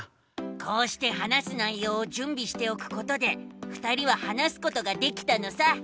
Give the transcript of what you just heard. こうして話す内ようを準備しておくことでふたりは話すことができたのさ。